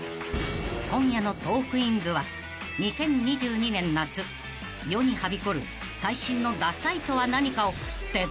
［今夜の『トークィーンズ』は２０２２年夏世にはびこる最新のダサいとは何かを徹底調査］